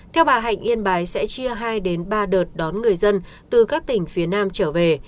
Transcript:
theo bà hạnh yên bái sẽ chia hai đến ba đợt đón người dân từ các tỉnh phía nam trở về